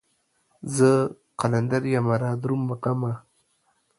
زه قلندر يمه رادرومه غمه